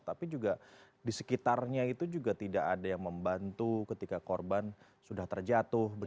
tapi juga di sekitarnya itu juga tidak ada yang membantu ketika korban sudah terjatuh